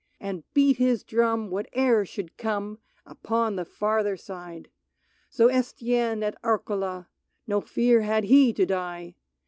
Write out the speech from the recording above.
And beat his drum, whate'er should come, Upon the farther side. So Estienne at Areola — No fear had he to die